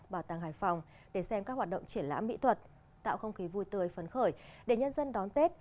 bảo tàng hải phòng để xem các hoạt động triển lãm mỹ thuật tạo không khí vui tươi phấn khởi để nhân dân đón tết